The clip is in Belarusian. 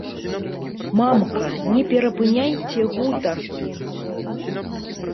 Мамка, не перапыняйце гутаркі!